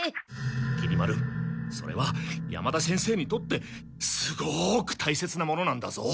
きり丸それは山田先生にとってすごくたいせつなものなんだぞ。